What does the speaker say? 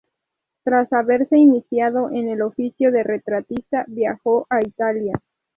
Tras haberse iniciado en el oficio de retratista, viajó a Italia.